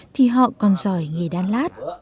thì họ còn giỏi nghề đan lát